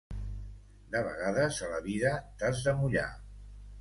De vegades, a la vida, t'has de mullar.